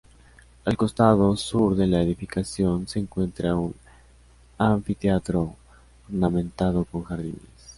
Al costado sur de la edificación se encuentra un anfiteatro ornamentado con jardines.